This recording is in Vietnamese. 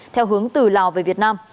theo hướng từ lào về việt nam